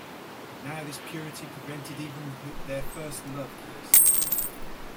And now this “purity” prevented even their first love-kiss.